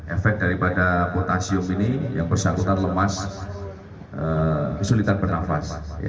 efek daripada potasium ini yang bersangkutan lemas kesulitan bernafas